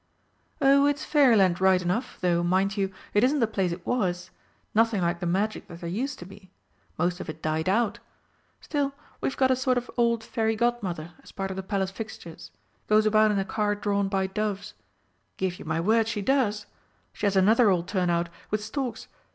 "Oh, it's Fairyland right enough, though, mind you, it isn't the place it was. Nothing like the magic that there used to be. Most of it died out. Still, we've got a sort of old Fairy Godmother, as part of the Palace fixtures goes about in a car drawn by doves give you my word she does! She has another old turn out, with storks.